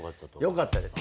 よかったです。